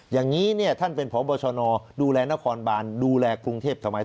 อย่างนี้เนี่ยท่านเป็นพบชนดูแลนครบานดูแลกรุงเทพสมัย